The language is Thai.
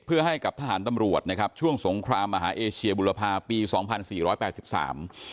เพื่อให้กับทหารตำรวจนะครับช่วงสงครามมหาเอเชียบุรพาปีสองพันสี่ร้อยแปดสิบสาม